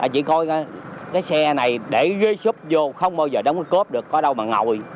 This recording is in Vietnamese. chỉ coi cái xe này để ghế xúc vô không bao giờ đóng cái cốp được có đâu mà ngồi